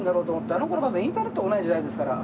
あの頃まだインターネットがない時代ですから。